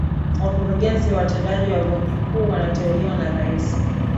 wakurugenzi watendaji wa benki kuu wanateuliwa na raisi